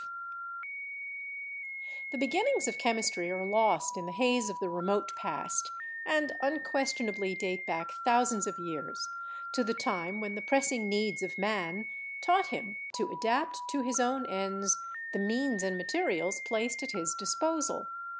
ANCIENT CHEMICAL KNOWLEDGE 9 The beginnings of Chemistry are lost in the haze of the remote past and unquestionably date back thousands of years to the time when the pressing needs of man taught him to adapt to his own ends the means and materials placed at his disposal.